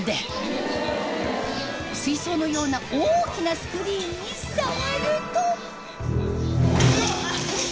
水槽のような大きなスクリーンに触ると。